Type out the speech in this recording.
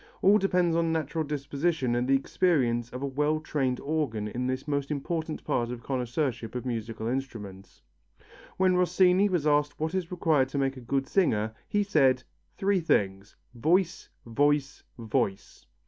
All depends upon natural disposition and the experience of a well trained organ in this most important part of connoisseurship of musical instruments. When Rossini was asked what is required to make a good singer, he said: "Three things, voice, voice, voice."